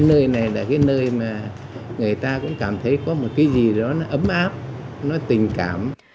nơi này là cái nơi mà người ta cũng cảm thấy có một cái gì đó nó ấm áp nó tình cảm